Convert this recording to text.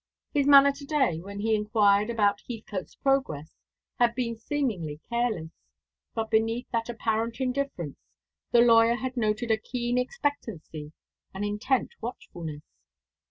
His manner to day, when he inquired about Heathcote's progress, had been seemingly careless: but beneath that apparent indifference the lawyer had noted a keen expectancy, an intent watchfulness.